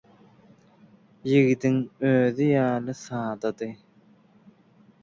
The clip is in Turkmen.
Ýigidiň özi ýaly sadady.